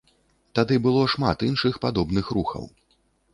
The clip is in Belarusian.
Тады было шмат іншых падобных рухаў.